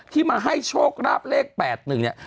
ที่มาให้โชคราบเลข๘๑เนี่ย